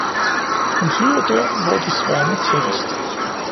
Hun flyver der, hvor de sværmer tættest